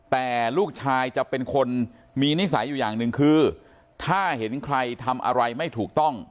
แต่ลูกชายจะเป็นคนมีนิสัยอยู่อย่างหนึ่งคือถ้าเห็นใครทำอะไรไม่ถูกต้อง